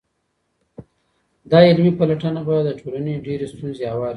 دا علمي پلټنه به د ټولني ډېرې ستونزي هوارې کړي.